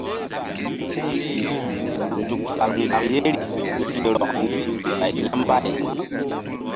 Nzuk fal ŋgaŋ yeri mí gi rɔk ni ɓay ya̧ mbay.